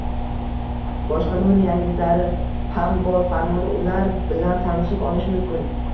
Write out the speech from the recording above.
Boshqa muhim yangiliklar ham bor, farmonda ular bilan tanishib olish mumkin.